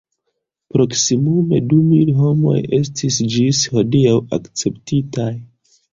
Proksimume du mil homoj estis ĝis hodiaŭ akceptitaj.